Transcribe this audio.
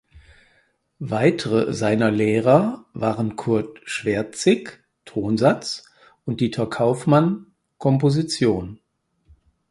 Weitere seiner Lehrer waren Kurt Schwertsik (Tonsatz) und Dieter Kaufmann (Komposition).